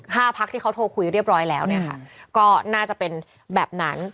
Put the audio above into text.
พักที่เขาโทรคุยเรียบร้อยแล้วเนี่ยค่ะก็น่าจะเป็นแบบนั้น